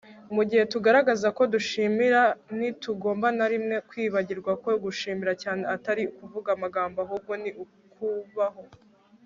mugihe tugaragaza ko dushimira, ntitugomba na rimwe kwibagirwa ko gushimira cyane atari kuvuga amagambo ahubwo ni ukubaho